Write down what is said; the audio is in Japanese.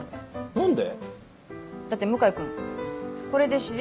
何で？